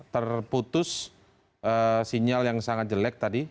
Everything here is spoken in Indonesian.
terputus sinyal yang sangat jelek tadi